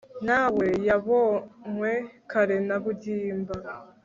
na we yabonywe kare na bwimba